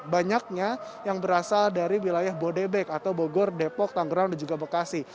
banyaknya yang berasal dari wilayah bodebek atau bogor depok tanggerang dan juga bekasi